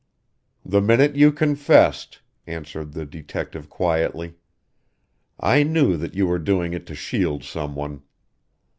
"The minute you confessed," answered the detective quietly, "I knew that you were doing it to shield someone.